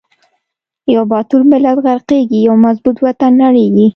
یو باتور ملت غر قیږی، یو مضبوط وطن نړیږی